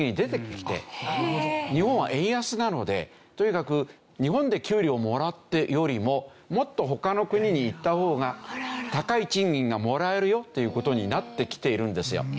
日本は円安なのでとにかく日本で給料をもらうよりももっと他の国に行った方が高い賃金がもらえるよという事になってきているんですよ。